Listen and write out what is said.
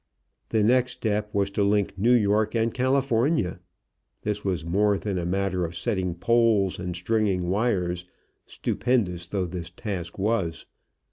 The next step was to link New York and California. This was more than a matter of setting poles and stringing wires, stupendous though this task was.